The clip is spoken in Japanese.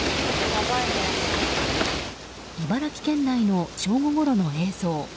茨城県内の正午ごろの映像。